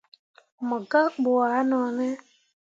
Mo gak ɓu ah none.